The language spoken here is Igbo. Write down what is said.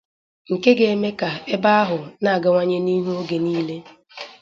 nke ga na-eme ka ebe ahụ na-agawanye n'ihu oge niile.